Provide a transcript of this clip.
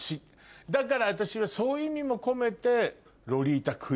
だから私はそういう意味も込めて。